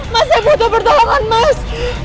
mas saya butuh pertolongan mas